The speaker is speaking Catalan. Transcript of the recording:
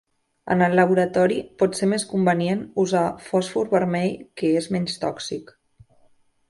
En el laboratori, pot ser més convenient usar fòsfor vermell, que és menys tòxic.